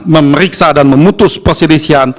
memeriksa dan memutus perselisihan